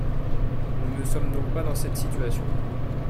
Nous ne sommes donc pas dans cette situation.